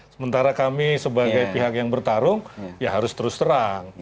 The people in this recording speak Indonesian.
sementara kami sebagai pihak yang bertarung ya harus terus terang